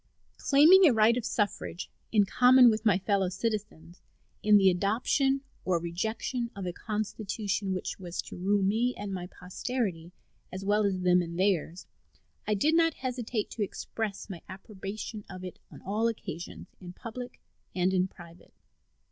Claiming a right of suffrage, in common with my fellow citizens, in the adoption or rejection of a constitution which was to rule me and my posterity, as well as them and theirs, I did not hesitate to express my approbation of it on all occasions, in public and in private.